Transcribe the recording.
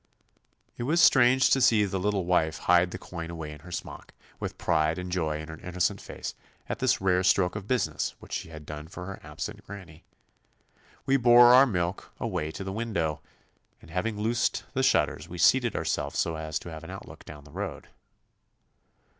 It was strange to see the little wife hide the coin away in her smock, with pride and joy in her innocent face at this rare stroke of business which she had done for her absent granny. We bore our milk away to the window, and having loosed the shutters we seated ourselves so as to have an outlook down the road.